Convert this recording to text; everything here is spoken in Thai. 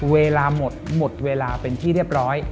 เวลาหมดหมดเวลาเป็นที่เรียบร้อย